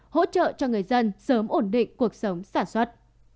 hỗ trợ cho người dân sớm ổn định cuộc sống sản xuất